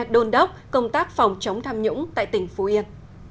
đôn đốc công tác phòng chống tham nhũng tại tỉnh phú yên